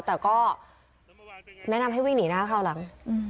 แต่ก็แนะนำให้วิ่งหนีหน้าคราวหลัง